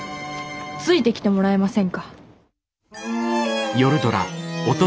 ついてきてもらえませんか？